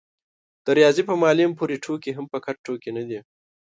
د رياضي په معلم پورې ټوکې هم فقط ټوکې نه دي.